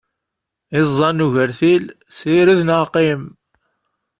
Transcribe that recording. Iẓẓan n ugertil, sired neɣ qqim!